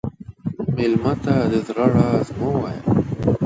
مېلمه ته د زړه راز مه وایه.